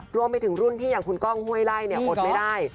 รวมไปถึงรุ่นพี่อย่างคุณก้องห้วยไล่เนี่ยอดไม่ได้